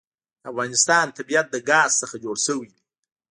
د افغانستان طبیعت له ګاز څخه جوړ شوی دی.